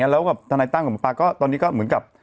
แล้วกับทนายตั้มกับหมอปลาก็ตอนนี้ก็เหมือนกับ